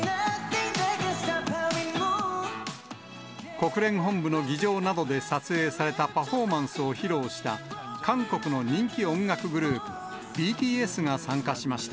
国連本部の議場などで撮影されたパフォーマンスを披露した韓国の人気音楽グループ、ＢＴＳが参加しました。